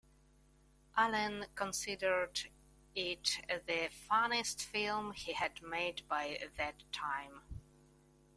Allen considered it the funniest film he had made by that time.